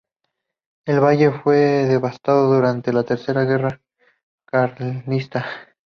El valle fue devastado durante la Tercera Guerra Carlista.